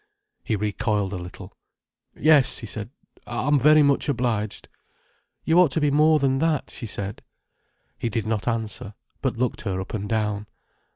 He recoiled a little. "Yes," he said. "I'm very much obliged." "You ought to be more than that," she said. He did not answer, but looked her up and down.